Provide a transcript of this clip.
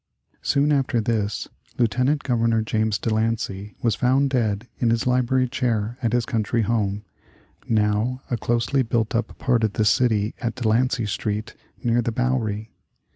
Soon after this Lieutenant Governor James De Lancey was found dead in his library chair at his country home (now a closely built up part of the city at Delancey Street, near the Bowery).